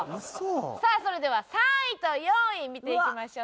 さあそれでは３位と４位見ていきましょう。